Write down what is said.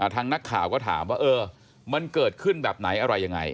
ทางนักข่าวก็ถามว่าเออมันเกิดขึ้นแบบไหนอะไรยังไง